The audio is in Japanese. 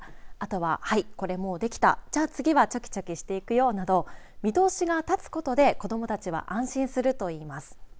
はい、これもうできた次はチョキチョキしていくよなど見通しが立つことで子どもたちは安心するといいます。